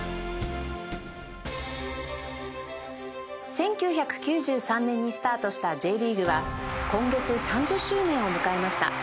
１９９３年にスタートした Ｊ リーグは今月３０周年を迎えました